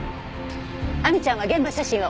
亜美ちゃんは現場写真を。